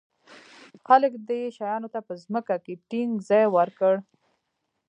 خلک دې شیانو ته په ځمکه کې ټینګ ځای ورکړ.